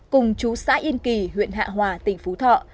cùng chú xã yên kỳ huyện hạ hòa tỉnh phú thọ